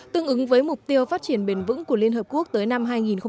tương ứng với mục tiêu phát triển bền vững của liên hợp quốc tới năm hai nghìn ba mươi